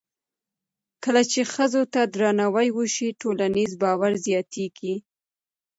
کله چې ښځو ته درناوی وشي، ټولنیز باور زیاتېږي.